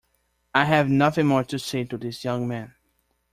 I have nothing more to say to this young man!